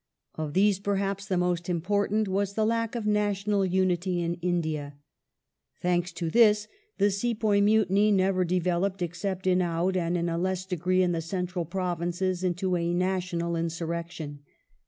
Of these, perhaps the most important was the lack of national unity in India. Thanks to this, the sepoy mutiny never de veloped, except in Oudh and in a less degree in the Central Provinces, into a national insurrection.